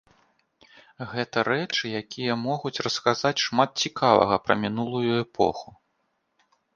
Гэта рэчы, якія могуць расказаць шмат цікавага пра мінулую эпоху.